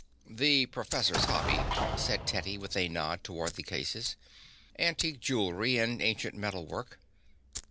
"The professor's hobby," said Teddy, with a nod toward the cases. "Antique jewelry and ancient metal work.